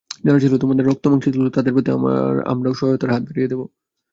যারা ছিল তোমার রক্তমাংসের তুল্য, তাদের প্রতি আমরাও সহায়তার হাত বাড়িয়ে দেব।